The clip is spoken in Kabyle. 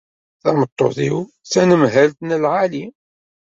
Tameṭṭut-iw d tanemhalt n lɛali.